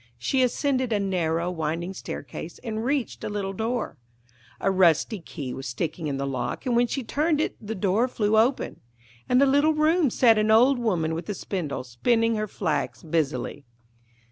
She ascended a narrow, winding staircase and reached a little door. A rusty key was sticking in the lock, and when she turned it the door flew open. In a little room sat an old woman with a spindle, spinning her flax busily.